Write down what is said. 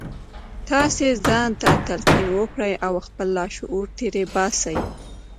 تاسې ځان ته تلقین وکړئ او خپل لاشعور تېر باسئ